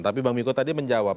tapi bang miko tadi menjawab